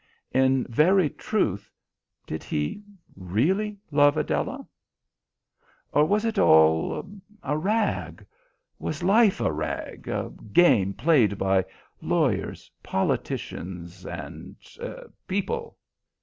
In very truth, did he really love Adela? Or was it all a rag? Was life a rag a game played by lawyers, politicians, and people?